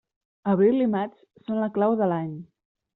Abril i maig són la clau de l'any.